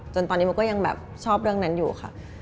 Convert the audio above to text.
จนตอนนี้มันก็ยังแบบชอบเรื่องนั้นอยู่ค่ะ